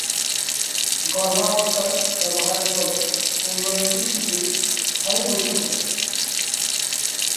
গর্ভাবস্থায় ব্যবহারের ফলে উন্নয়নশীল শিশু স্থায়ী বধির হতে পারে।